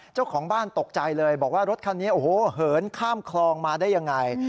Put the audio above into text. เจ้าของบ้านตกใจเลยบอกว่ารถคันนี้โอ้โหเหินข้ามคลองมาได้ยังไง